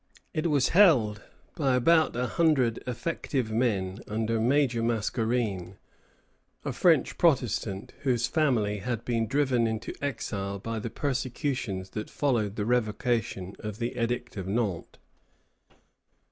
It was held by about a hundred effective men under Major Mascarene, a French Protestant whose family had been driven into exile by the persecutions that followed the revocation of the Edict of Nantes.